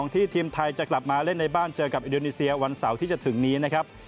ทีมไทยจะกลับมาเล่นในบ้านเจอกับอินโดนีเซียวันเสาร์ที่จะถึงนี้นะครับ